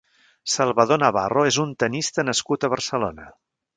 Salvador Navarro és un tennista nascut a Barcelona.